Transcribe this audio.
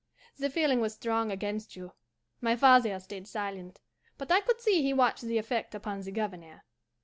The feeling was strong against you. My father stayed silent, but I could see he watched the effect upon the Governor.